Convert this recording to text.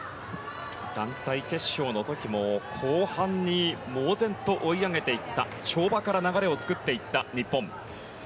団体決勝の時も後半に猛然と追い上げていった跳馬から流れを作っていった日本。